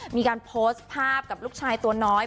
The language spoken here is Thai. มีการโพสต์ภาพกับลูกชายตัวน้อย